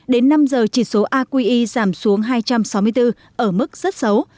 đến năm giờ chỉ số aqi giảm xuống hai trăm sáu mươi bốn ở mức rất xấu